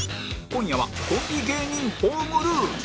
今夜はコンビ芸人ホームルーム